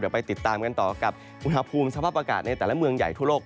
เดี๋ยวไปติดตามกันต่อกับอุณหภูมิสภาพอากาศในแต่ละเมืองใหญ่ทั่วโลก